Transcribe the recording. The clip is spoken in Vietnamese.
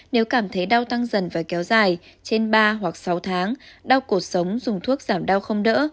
nếu cảm thấy đau tăng dần và kéo dài trên ba hoặc sáu tháng đau cuộc sống dùng thuốc giảm đau không đỡ